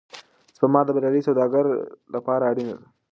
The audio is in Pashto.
سپما د بریالي سوداګر لپاره اړینه ده.